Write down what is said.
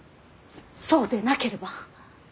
そうでなければ。